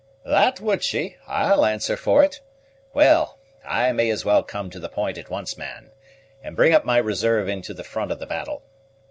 "That would she, I'll answer for it. Well, I may as well come to the point at once, man, and bring up my reserve into the front of the battle.